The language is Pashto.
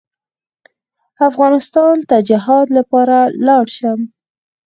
افغانستان ته جهاد لپاره ولاړ شم.